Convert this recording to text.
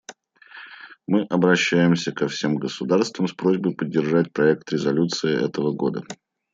Мы обращаемся ко всем государствам с просьбой поддержать проект резолюции этого года.